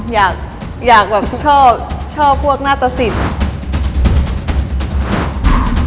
ไม่ใช่จะบวชมาถึงนานขนาดนี้